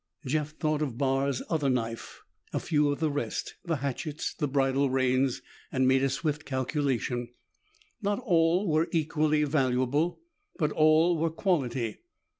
Jeff thought of Barr's other knife, a few of the rest, the hatchets, the bridle reins, and made a swift calculation. Not all were equally valuable, but all were quality.